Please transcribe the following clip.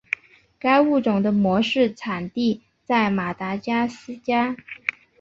该物种的模式产地在马达加斯加。